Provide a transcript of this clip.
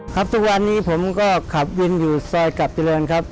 ทุกวันนี้ผมก็ขับวินอยู่ซอยกลับเจริญครับ